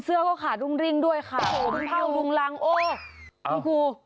เสือก็ขาดรุงริงด้วยขาพังรุงรังโอ้โหคุณครู